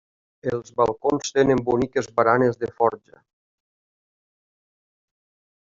Els balcons tenen boniques baranes de forja.